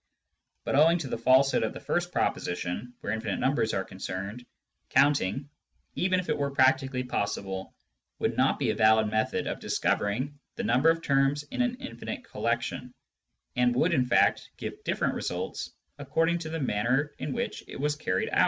But owing to the falsehood of the first proposition where infinite numbers are concerned, count ing, even if it were practically possible, would not be a valid method of discovering the number of terms in an infinite collection, and would in fact give diflFerent results according to the manner in which it was carried out.